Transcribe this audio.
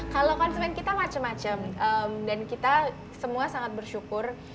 kalau konsumen kita macam macam dan kita semua sangat bersyukur